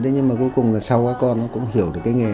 nhưng mà cuối cùng là sau con cũng hiểu được cái nghề